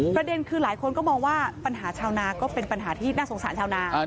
ประเด็นคือหลายคนก็มองว่าปัญหาชาวนาก็เป็นปัญหาที่น่าสงสารชาวนา